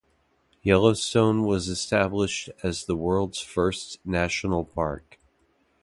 Yellowstone was established as the world's first national park.